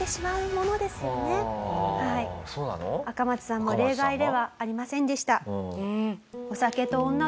アカマツさんも例外ではありませんでした。